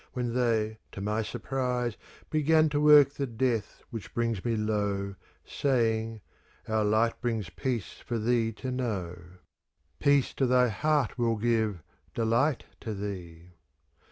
When they, to my surprise. Began to work the death which brings me low. Saying, "Our light brings peace for thee to know: Peace to thy heart we'll give, delight to thee."